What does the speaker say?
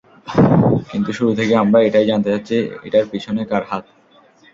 কিন্তু শুরু থেকে আমরা এটাই জানতে চাচ্ছি, এটার পিছনে কার হাত।